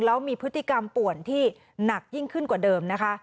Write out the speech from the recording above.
แล้วมีพฤติกรรมป่วนที่หนักยิ่งขึ้นกว่าเดิมนะคะ